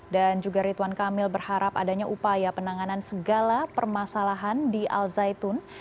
dan juga ritwan kamil berharap adanya upaya penanganan segala permasalahan di al zaitun